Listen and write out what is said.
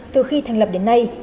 từ khi thành lập đến nay